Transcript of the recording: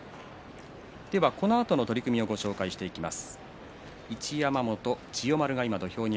このあとの取組をご紹介します。